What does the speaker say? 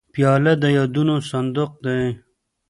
پیاله د یادونو صندوق ده.